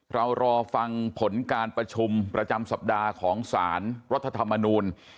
รอฟังผลการประชุมประจำสัปดาห์ของสารรัฐธรรมนูล